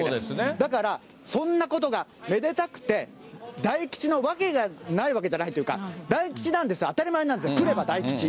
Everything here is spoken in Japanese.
だからそんなことがめでたくて、大吉のわけがないわけがないというか、大吉なんです、当たり前なんです、来れば大吉。